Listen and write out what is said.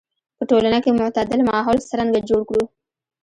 په ټولنه کې معتدل ماحول څرنګه جوړ کړو.